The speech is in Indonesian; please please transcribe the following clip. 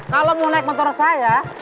kalau mau naik motor saya